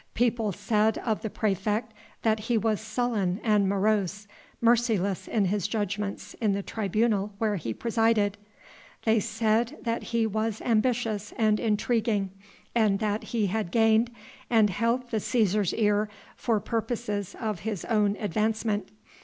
People said of the praefect that he was sullen and morose, merciless in his judgments in the tribunal where he presided. They said that he was ambitious and intriguing, and that he had gained and held the Cæsar's ear for purposes of his own advancement.